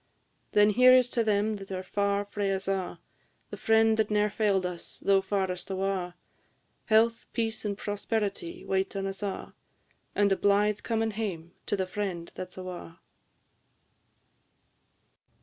Then here is to them that are far frae us a', The friend that ne'er fail'd us, though farest awa'! Health, peace, and prosperity wait on us a'; And a blithe comin' hame to the friend that 's awa'!